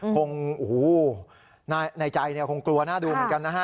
คงโอ้โหในใจคงกลัวน่าดูเหมือนกันนะฮะ